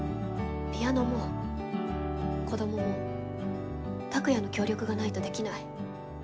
ピアノも子どもも拓哉の協力がないとできない。